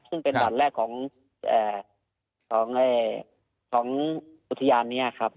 ซึ่งเป็นด่านแรกของอุทยานนี้ครับ